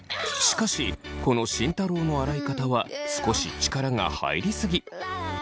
しかしこの慎太郎の洗い方は少し力が入りすぎ。